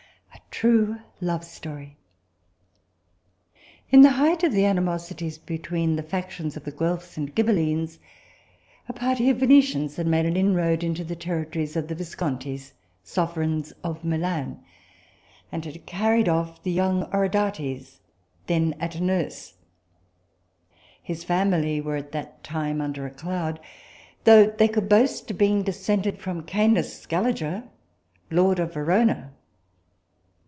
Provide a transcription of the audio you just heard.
A true Love Story. In the height of the animosities between the factions of the Guelfs and Ghibellines, a party of Venetians had made an inroad into the territories of the Viscontis, sovereigns of Milan, and had carried off the young Orondates, then at nurse. His family were at that time under a cloud, though they could boast of being descended from Canis Scaliger, lord of Verona.